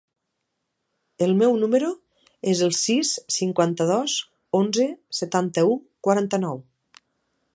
El meu número es el sis, cinquanta-dos, onze, setanta-u, quaranta-nou.